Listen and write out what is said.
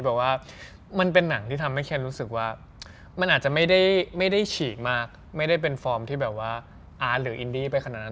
แบบว่ามันเป็นหนังที่ทำให้เคนรู้สึกว่ามันอาจจะไม่ได้ฉีกมากไม่ได้เป็นฟอร์มที่แบบว่าอาร์ตหรืออินดี้ไปขนาดนั้น